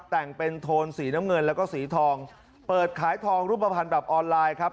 แต่งเป็นโทนสีน้ำเงินแล้วก็สีทองเปิดขายทองรูปภัณฑ์แบบออนไลน์ครับ